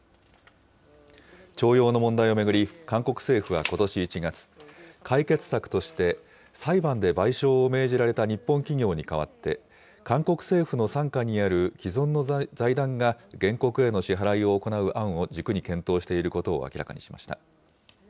徴用の問題を巡り、韓国政府はことし１月、解決策として、裁判で賠償を命じられた日本企業に代わって、韓国政府の傘下にある既存の財団が原告への支払いを行う案を軸に検討していることを明らかにしました。